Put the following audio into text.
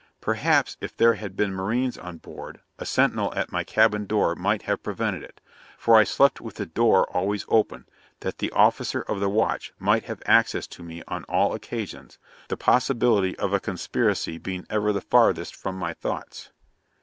Perhaps, if there had been marines on board, a sentinel at my cabin door might have prevented it; for I slept with the door always open, that the officer of the watch might have access to me on all occasions, the possibility of such a conspiracy being ever the farthest from my thoughts.